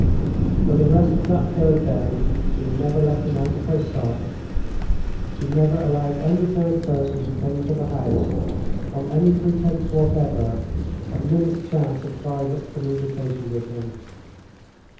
For the rest of that third day she never let him out of her sight; she never allowed any third person who came to the house, on any pretense whatever, a minute's chance of private communication with him.